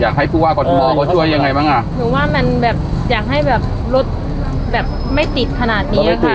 อยากให้ผู้ว่ากรทมเขาช่วยยังไงบ้างอ่ะหนูว่ามันแบบอยากให้แบบรถแบบไม่ติดขนาดเนี้ยค่ะ